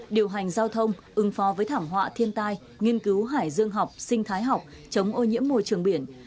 điều hành giao thông ứng phó với thảm họa thiên tai nghiên cứu hải dương học sinh thái học chống ô nhiễm môi trường biển